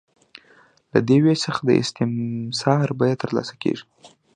له دې وېش څخه د استثمار بیه ترلاسه کېږي